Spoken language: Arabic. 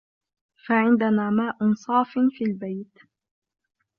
فعندنا ماء صافٍ في البيت